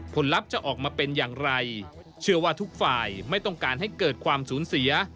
ลับจะออกมาเป็นอย่างไรเชื่อว่าทุกฝ่ายไม่ต้องการให้เกิดความสูญเสีย